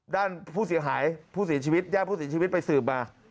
ด้านผู้เสียหายผู้เสียชีวิตญาติผู้เสียชีวิตไปสืบมา